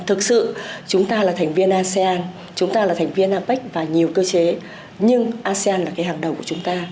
thực sự chúng ta là thành viên asean chúng ta là thành viên apec và nhiều cơ chế nhưng asean là cái hàng đầu của chúng ta